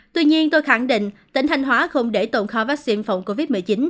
tuy nhiên tôi khẳng định tỉnh thanh hóa không để tồn kho vaccine phòng covid một mươi chín